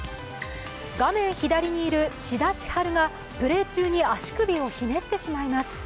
画面左にいる志田千陽がプレー中に足首をひねってしまいます。